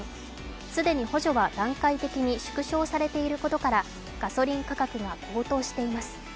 既に補助は段階的に縮小されていることからガソリン価格が高騰しています。